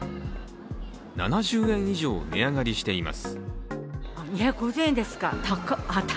７０円以上値上がりしています。